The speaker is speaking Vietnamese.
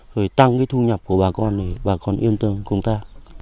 rồi tăng cái thu nhập của bà con thì bà con yên tâm cùng ta